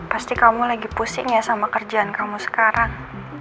pasti kamu lagi pusing ya sama kerjaan kamu sekarang